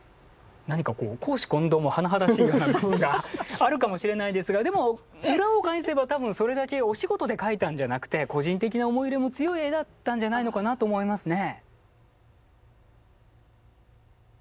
何か公私混同も甚だしいようなあるかもしれないですがでも裏を返せば多分それだけお仕事で描いたんじゃなくて個人的な思い入れも強い絵だったんじゃないのかなと思いますね。